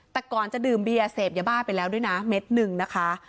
แต่ก่อนจะดื่มเบียร์เสพยาบ้าไปแล้วด้วยนะเม็ดหนึ่งนะคะ